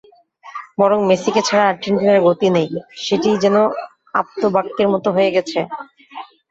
বরং মেসিকে ছাড়া আর্জেন্টিনার গতি নেই, সেটিই যেন আপ্তবাক্যের মতো হয়ে গেছে।